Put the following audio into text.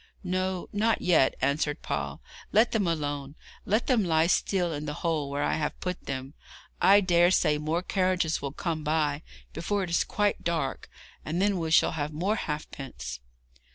'No, not yet,' answered Paul; 'let them alone let them lie still in the hole where I have put them. I dare say more carriages will come by before it is quite dark, and then we shall have more halfpence.'